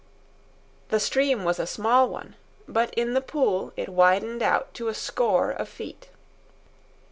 The stream was a small one, but in the pool it widened out to a score of feet.